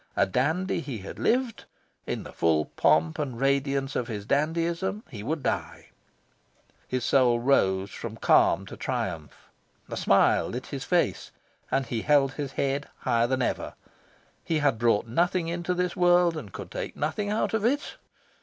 A dandy he had lived. In the full pomp and radiance of his dandyism he would die. His soul rose from calm to triumph. A smile lit his face, and he held his head higher than ever. He had brought nothing into this world and could take nothing out of it?